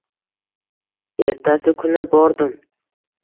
Ertasi kuni bordim